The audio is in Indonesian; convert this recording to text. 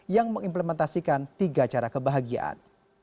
yang mengimplementasikan tiga cara kebahagiaan